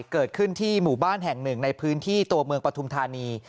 เกิดขึ้นที่หมู่บ้านแห่งหนึ่งในพื้นที่ตัวเมืองปฐุมธานี